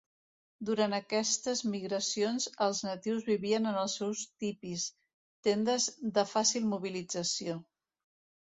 Durant aquestes migracions els natius vivien en els seus tipis, tendes de fàcil mobilització.